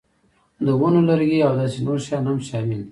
د ونو لرګي او داسې نور شیان هم شامل دي.